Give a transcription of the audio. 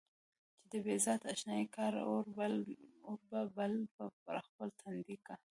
چې د بې ذاته اشنايي کا اور به بل پر خپل تندي کا.